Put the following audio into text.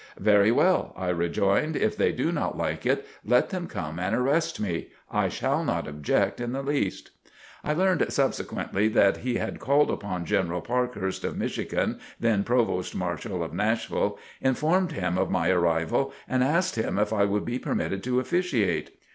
"Very well," I rejoined, "if they do not like it, let them come and arrest me. I shall not object in the least." I learned subsequently that he had called upon General Parkhurst of Michigan, then Provost Marshal of Nashville, informed him of my arrival and asked him if I would be permitted to officiate.